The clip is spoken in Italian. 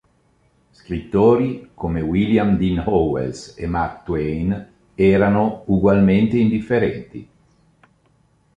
Scrittori come William Dean Howells e Mark Twain erano ugualmente indifferenti.